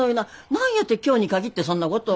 何やって今日にかぎってそんなことを。